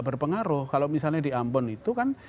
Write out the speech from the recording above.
berpengaruh kalau misalnya di ambon itu kan